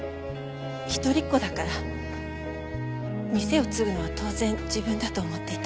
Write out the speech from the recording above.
一人っ子だから店を継ぐのは当然自分だと思っていたので。